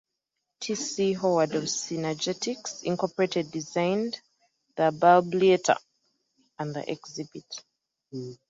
T. C. Howard of Synergetics, Incorporated designed the Bubbleator and the exhibit.